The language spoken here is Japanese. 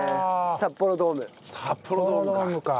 札幌ドームか。